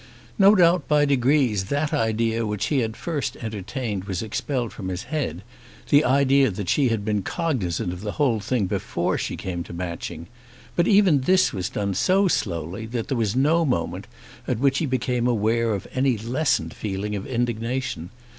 No doubt by degrees that idea which he at first entertained was expelled from his head, the idea that she had been cognisant of the whole thing before she came to Matching; but even this was done so slowly that there was no moment at which he became aware of any lessened feeling of indignation.